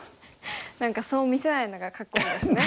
何かそう見せないのがかっこいいですね。